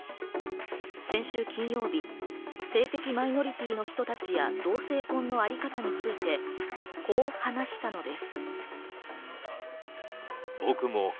先週金曜日、性的マイノリティーの人たちや同性婚のあり方について、こう話したのです。